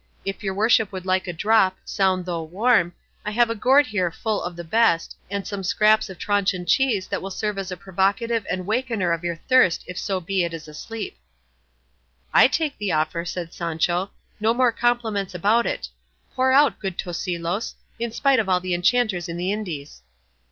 If your worship would like a drop, sound though warm, I have a gourd here full of the best, and some scraps of Tronchon cheese that will serve as a provocative and wakener of your thirst if so be it is asleep." "I take the offer," said Sancho; "no more compliments about it; pour out, good Tosilos, in spite of all the enchanters in the Indies."